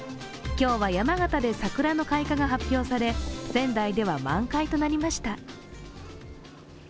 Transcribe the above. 今日は山形で桜の開花が発表され、仙台では満開となりました。